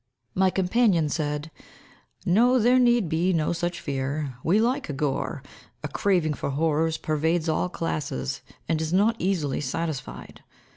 My companion said, "No, there need be no such fear; we like gore. A craving for horrors pervades all classes, and is not easily satisfied.